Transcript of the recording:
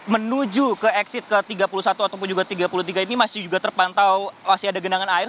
menuju ke exit ke tiga puluh satu ataupun juga ke tiga puluh tiga ini masih juga terpantau masih ada genangan air